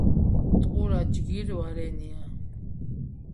ტყურა ჯგირ ვარენია.